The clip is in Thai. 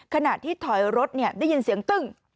ขณะที่ถอยรถได้ยินเสียงตึ้ง